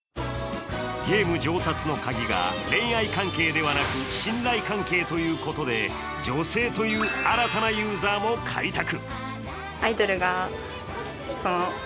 ゲーム上達のカギは恋愛関係ではなく信頼関係ということで女性という新たなユーザーも開拓。